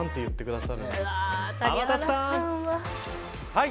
はい！